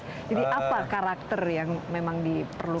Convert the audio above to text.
jadi apa karakter yang memang diperlukan